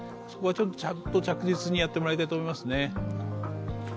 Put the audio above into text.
そこはちょっと着実にやってもらいたいなと思いますね。